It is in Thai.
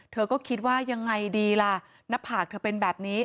เธอก็คิดว่ายังไงดีล่ะหน้าผากเธอเป็นแบบนี้